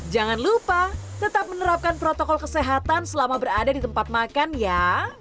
jangan lupa tetap menerapkan protokol kesehatan selama berada di tempat makan ya